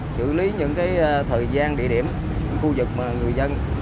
xử lý những thời gian địa điểm khu vực người dân